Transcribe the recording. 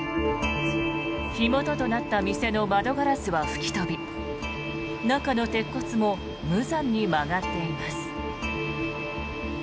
火元となった店の窓ガラスは吹き飛び中の鉄骨も無残に曲がっています。